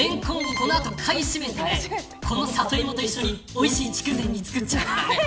レンコンこの後買い占めてこのサトイモと一緒においしい筑前煮作っちゃう。